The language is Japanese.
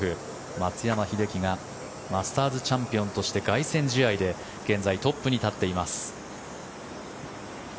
松山英樹がマスターズチャンピオンとして凱旋試合で現在、トップに立っています。